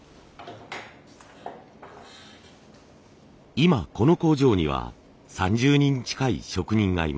今この工場には３０人近い職人がいます。